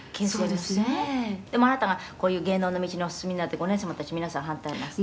「でもあなたがこういう芸能の道にお進みになる時お姉様たち皆さん反対なすった？」